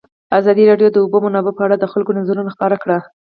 ازادي راډیو د د اوبو منابع په اړه د خلکو نظرونه خپاره کړي.